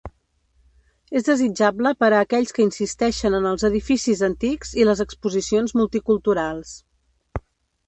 És desitjable per a aquells que insisteixen en els edificis antics i les exposicions multiculturals.